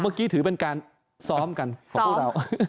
เมื่อกี้ถือเป็นการซ้อมกันของพวกเรา